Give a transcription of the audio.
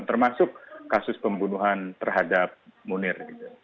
termasuk kasus pembunuhan terhadap munir